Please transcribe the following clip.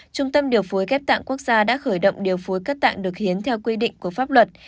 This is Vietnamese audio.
trung tâm điều phối ghép tạng quốc gia đã khởi động điều phối các tạng được hiến theo quy định của pháp luật